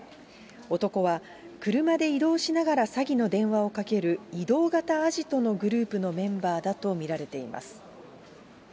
男は、車で移動しながら詐欺の電話をかける移動型アジトのグループのメンバーだと見られています。